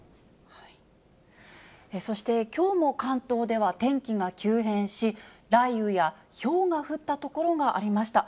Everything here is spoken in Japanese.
そして、きょうも関東では天気が急変し、雷雨やひょうが降った所がありました。